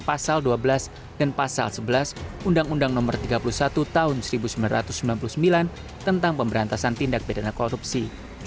pasal dua belas dan pasal sebelas undang undang no tiga puluh satu tahun seribu sembilan ratus sembilan puluh sembilan tentang pemberantasan tindak bedana korupsi